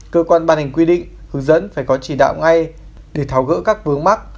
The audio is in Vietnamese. cơ quan ban hành quy định hướng dẫn phải có chỉ đạo ngay để tháo gỡ các vướng mắc